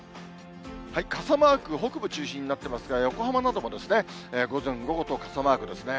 傘マーク、北部中心になってますが、横浜なども午前、午後と傘マークですね。